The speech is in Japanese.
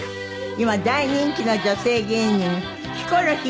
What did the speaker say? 今大人気の女性芸人ヒコロヒーさんです。